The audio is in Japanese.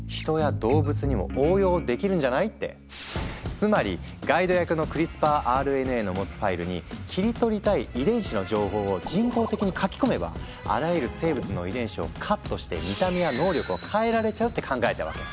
つまりガイド役のクリスパーＲＮＡの持つファイルに切り取りたい遺伝子の情報を人工的に書き込めばあらゆる生物の遺伝子をカットして見た目や能力を変えられちゃうって考えたわけ。